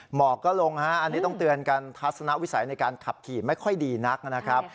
หมอกก็ลงฮะอันนี้ต้องเตือนกันทัศนวิสัยในการขับขี่ไม่ค่อยดีนักนะครับ